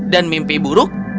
dan mimpi buruk